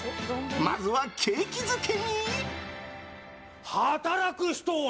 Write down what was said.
まずは景気づけに。